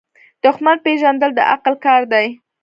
دښمن پیژندل د عقل کار دی.